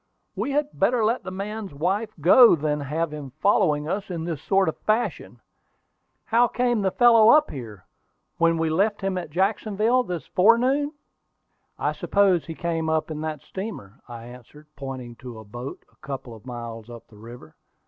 "We had better let the man's wife go than have him following us in this sort of fashion. How came the fellow up here, when we left him at Jacksonville this forenoon?" "I suppose he came up in that steamer," I answered, pointing to a boat a couple of miles up the river.